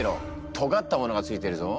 とがったものがついてるぞ。